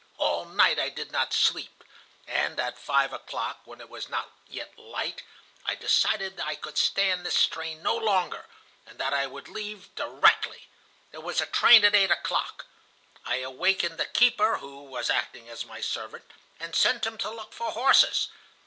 All night I did not sleep, and at five o'clock, when it was not yet light, I decided that I could stand this strain no longer, and that I would leave directly. There was a train at eight o'clock. I awakened the keeper who was acting as my servant, and sent him to look for horses.